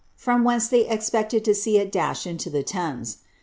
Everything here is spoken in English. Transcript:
from whence they expected lo see it dash itiio ; Thames.